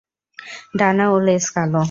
ডানা ও লেজ কালো।